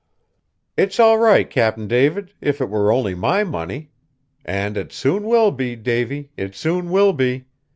"It's all right, Cap'n David, if it were only my money! And it soon will be, Davy; it soon will be.